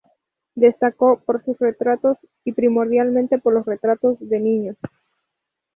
Destacó por sus retratos y primordialmente por los retratos de niños.